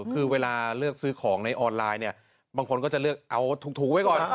คือเวลาเลือกซื้อของในออนไลน์เนี่ยบางคนก็จะเลือกเอาถูกไว้ก่อน